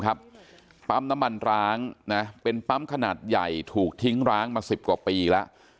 ปั๊มน้ำมันร้างเป็นปั๊มขนาดใหญ่ถูกทิ้งร้างมา๑๐กว่าปีแล้ว